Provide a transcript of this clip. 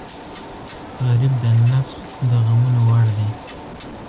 غریب د نفس د غمونو وړ دی